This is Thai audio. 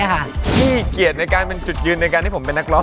ให้เกียรติในการเป็นจุดยืนในการที่ผมเป็นนักร้อง